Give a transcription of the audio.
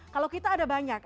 kalau kita ada banyak